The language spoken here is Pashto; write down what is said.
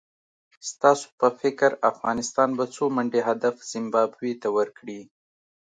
ستاسو په فکر افغانستان به څو منډي هدف زیمبابوې ته ورکړي؟